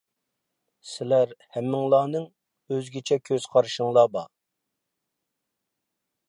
سىلەر ھەممىڭلارنىڭ ئۆزگىچە كۆز قارىشىڭلار بار.